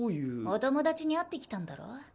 お友達に会ってきたんだろ？